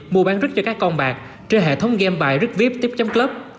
mua bán rước cho các con bạc trên hệ thống game bài rước viếp tiếp chấm club